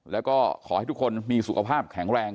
แล้วก็ขอให้ทุกคนมีสุขภาพแข็งแรง